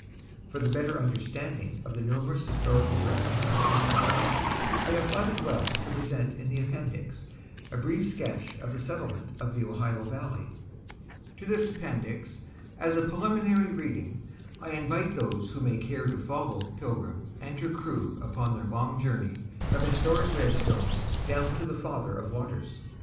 For the better understanding of the numerous historical references in the Log, I have thought it well to present in the Appendix a brief sketch of the settlement of the Ohio Valley. To this Appendix, as a preliminary reading, I invite those who may care to follow "Pilgrim" and her crew upon their long journey from historic Redstone down to the Father of Waters.